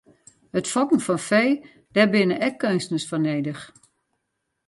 It fokken fan fee, dêr binne ek keunstners foar nedich.